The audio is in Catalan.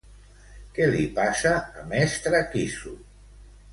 Què li passa a Mestre Quissu?